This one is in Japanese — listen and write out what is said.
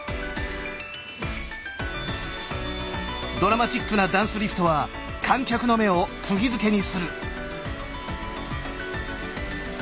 ドラマチックなダンスリフトは観客の目をくぎ付けにする。